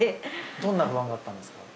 どんな不安があったんですか？